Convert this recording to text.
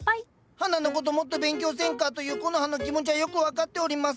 花のこともっと勉強せんかというコノハの気持ちはよく分かっております。